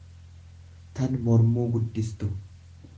tan mormuu guddistu.